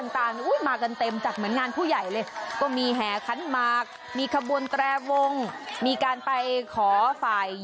แต่คู่นี้น่ารักเนี่ย